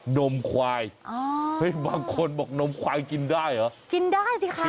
นมควายบางคนบอกนมควายกินได้เหรอไฟฝ่ายิค